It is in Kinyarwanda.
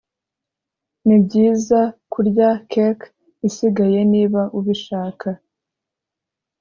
nibyiza kurya cake isigaye niba ubishaka.